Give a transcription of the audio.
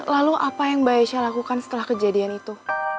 lalu apa yang mbak aisyah lakukan setelah kejadian itu